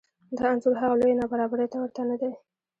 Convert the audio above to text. دا انځور هغه لویې نابرابرۍ ته ورته نه دی